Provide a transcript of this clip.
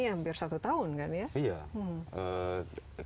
hampir satu tahun kan ya